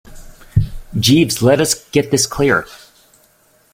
Jeeves, let us get this clear.